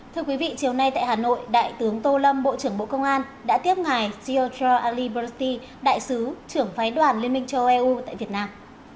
thưa quý vị chiều nay tại hà nội đại tướng tô lâm bộ trưởng bộ công an đã tiếp ngài sieorgra alibrosti đại sứ trưởng phái đoàn liên minh châu âu eu tại việt nam